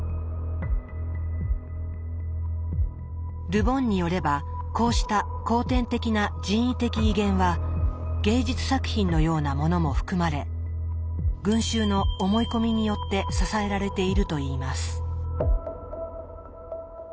ル・ボンによればこうした後天的な人為的威厳は芸術作品のようなものも含まれ群衆の思い込みによって支えられているといいます。